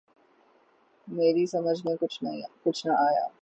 میری سمجھ میں کچھ نہ آیا